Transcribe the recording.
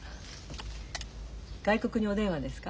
外国にお電話ですか？